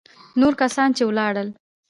نور کسان چې ولاړل.